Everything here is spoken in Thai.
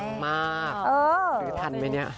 ฟังมากคือทันไหมเนี่ย